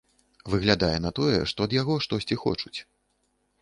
Выглядае на тое, што ад яго штосьці хочуць.